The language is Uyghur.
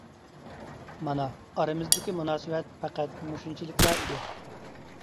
مانا، ئارىمىزدىكى مۇناسىۋەت پەقەت مۇشۇنچىلىكلا ئىدى.